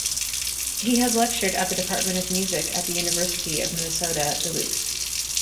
He has lectured at the Department of Music at the University of Minnesota Duluth.